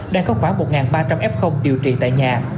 đang có khoảng một ba trăm linh f điều trị tại nhà